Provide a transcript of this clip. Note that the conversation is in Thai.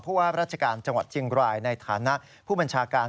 ว่าราชการจังหวัดเชียงรายในฐานะผู้บัญชาการ